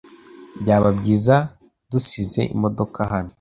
Byaba byiza dusize imodoka hano.